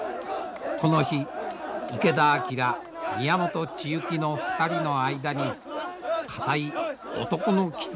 この日池田晃宮本智幸の２人の間に固い男の絆が生まれました。